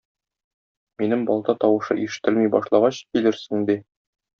Минем балта тавышы ишетелми башлагач, килерсең,- ди.